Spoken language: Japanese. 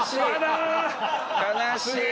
悲しい。